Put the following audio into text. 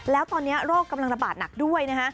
แล้วตอนนี้โรคกำลังระบาดหนักด้วยนะฮะ